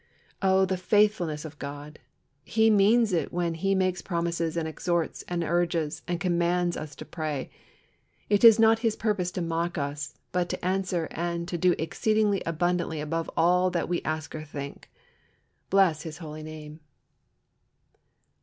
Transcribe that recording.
Oh, the faithfulness of God! He means it when He makes promises and exhorts and urges and commands us to pray. It is not His purpose to mock us, but to answer and "to do exceeding abundantly above all that we ask or think." Bless His holy Name!